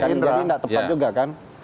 ini tidak tepat juga kan